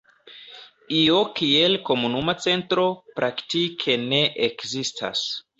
Io kiel "komunuma centro" praktike ne ekzistas.